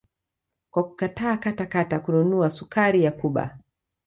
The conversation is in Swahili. Kwa kukataa kata kata kununua sukari ya Cuba